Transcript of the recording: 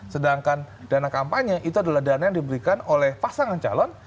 sedangkan dana kampanye itu adalah dana yang diberikan oleh pasangan calon